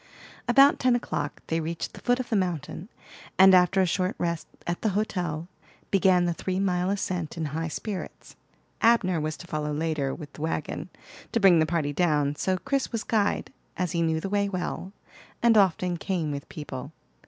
About ten o'clock they reached the foot of the mountain; and after a short rest at the hotel, began the three mile ascent in high spirits. Abner was to follow later with the wagon, to bring the party down; so Chris was guide, as he knew the way well, and often came with people.